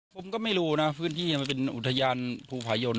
ผมก็ไม่รู้นะพื้นที่มันเป็นอุทยานภูผายน